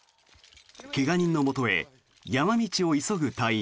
怪我人のもとへ山道を急ぐ隊員。